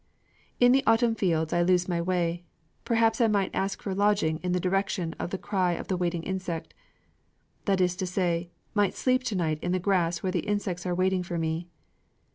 "In the autumn fields I lose my way; perhaps I might ask for lodging in the direction of the cry of the waiting insect;" that is to say, "might sleep to night in the grass where the insects are waiting for me."